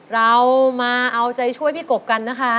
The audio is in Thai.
เรามาเอาใจช่วยพี่กบกันนะคะ